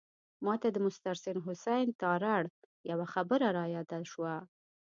ماته د مستنصر حسین تارړ یوه خبره رایاده شوه.